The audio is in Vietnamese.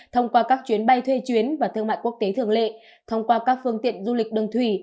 thông qua các chuyến bay thuê chuyến và thương mại quốc tế thường lệ thông qua các phương tiện du lịch đường thủy